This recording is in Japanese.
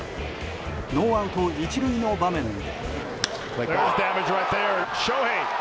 ノーアウト１塁の場面で。